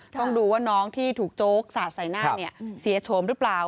ต้องดูว่าน้องที่ถูกโจ๊กสาดใส่หน้าเนี่ยเสียโฉมหรือเปล่า